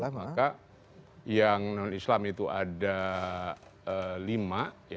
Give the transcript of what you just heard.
maka yang non islam itu ada lima